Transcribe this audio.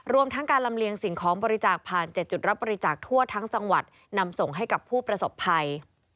รวมทั้งการลำเลียงสิ่งของบริจาคผ่าน๗จุดรับบริจาคทั่วทั้งจังหวัดนำส่งให้กับผู้ประสบภัย